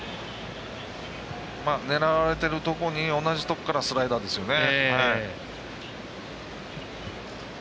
狙われているところに同じところからスライダーですね。